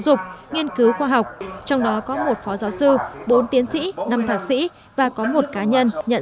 dục nghiên cứu khoa học trong đó có một phó giáo sư bốn tiến sĩ năm thạc sĩ và có một cá nhân nhận